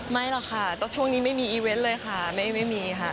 ไม่หรอกค่ะแต่ช่วงนี้ไม่มีอีเวนต์เลยค่ะไม่มีค่ะ